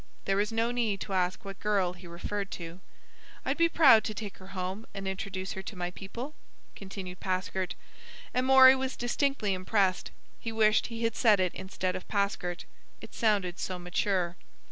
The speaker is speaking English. There was no need to ask what girl he referred to. "I'd be proud to take her home and introduce her to my people," continued Paskert. Amory was distinctly impressed. He wished he had said it instead of Paskert. It sounded so mature.